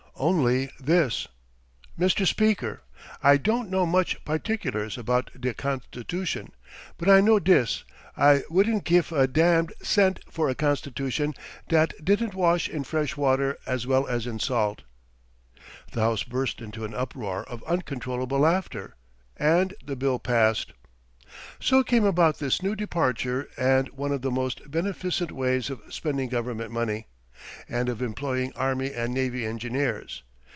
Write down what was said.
Only this: "Mr. Speaker, I don't know much particulars about de constitution, but I know dis; I wouldn't gif a d d cent for a constitution dat didn't wash in fresh water as well as in salt." The House burst into an uproar of uncontrollable laughter, and the bill passed. So came about this new departure and one of the most beneficent ways of spending government money, and of employing army and navy engineers.